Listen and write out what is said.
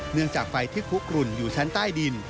เนื่องจากไฟที่กุกรุ่นอยู่ชั้นใต้ดิน